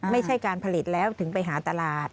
ไม่ใช่การผลิตแล้วถึงไปหาตลาด